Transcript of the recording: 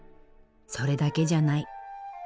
それだけじゃない。